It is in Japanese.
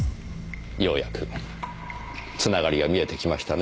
ようやく繋がりが見えてきましたねえ。